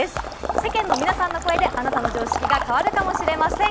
世間の皆さんの声であなたの常識が変わるかもしれません。